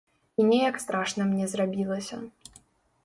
І неяк страшна мне зрабілася.